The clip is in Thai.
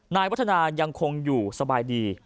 นายวัฒนายังคงอยู่สบายดี